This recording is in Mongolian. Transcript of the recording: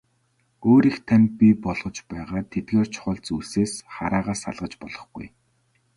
Өөрийг тань бий болгож байгаа тэдгээр чухал зүйлсээс хараагаа салгаж болохгүй.